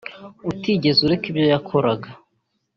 utigeze ureka ibyo wakoraga